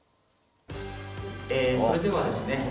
えそれではですね